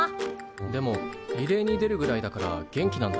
でもリレーに出るぐらいだから元気なんだな。